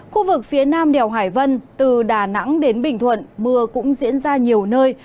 khu vực phía nam đèo hải vân từ đà nẵng đến bình thuận mưa cũng diễn ra nhiều nơi